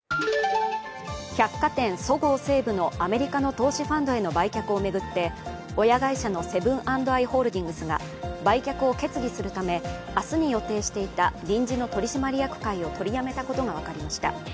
百貨店そごう・西武のアメリカの投資ファンドへの売却を巡って、親会社のセブン＆アイ・ホールディングスが売却を決議するため明日に予定していた臨時の取締役会を取りやめたことが分かりました。